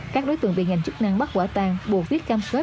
các đối tượng bị ngành chức năng bắt quả tàn buộc viết cam khói